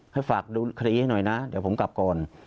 ให้ฝากดูคดีให้หน่อยนะเดี๋ยวผมกลับก่อน